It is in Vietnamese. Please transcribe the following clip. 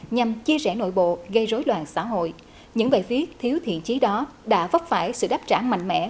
nhằm chia sẻ nội bộ gây rối loạn xã hội những bài viết thiếu thiện trí đó đã vấp phải sự đáp trả mạnh mẽ